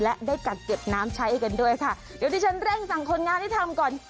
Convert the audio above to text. และได้กักเก็บน้ำใช้กันด้วยค่ะเดี๋ยวที่ฉันเร่งสั่งคนงานให้ทำก่อน